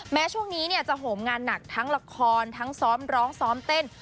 แม้ช่วงนี้เนี่ยจะโหมงานหนักทั้งละครทั้งซ้อมร้องซ้อมเต้น